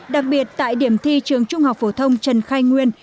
đặc biệt tại điểm thi trường trung học phổ thông trần khai nguyên